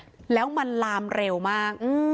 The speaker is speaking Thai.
อุ้มแล้วมันรามเร็วมาก